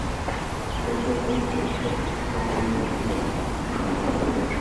এই-সকল চেষ্টা সকল সময়ে আশানুরূপ ফলপ্রসূ হয় না, বা যোগ্যতা দেখাইতে পারে না।